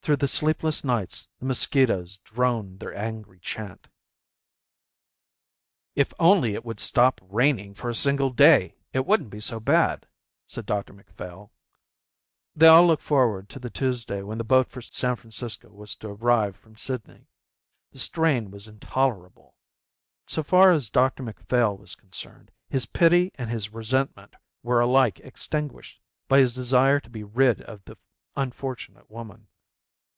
Through the sleepless nights the mosquitoes droned their angry chant. "If it would only stop raining for a single day it wouldn't be so bad," said Dr Macphail. They all looked forward to the Tuesday when the boat for San Francisco was to arrive from Sydney. The strain was intolerable. So far as Dr Macphail was concerned, his pity and his resentment were alike extinguished by his desire to be rid of the unfortunate woman.